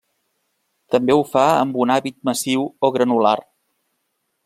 També ho fa amb un hàbit massiu o granular.